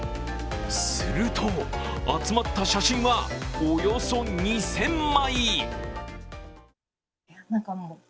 すると、集まった写真はおよそ２０００枚。